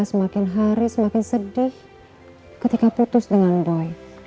semakin hari semakin sedih ketika putus dengan boy